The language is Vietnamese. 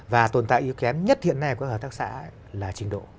và tồn tại yếu kém nhất hiện nay của các hợp tác xã là trình độ